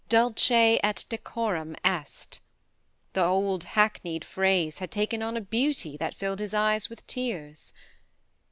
"Dulce et decorum est ..." the old hackneyed phrase had taken on a beauty that rilled his eyes with tears.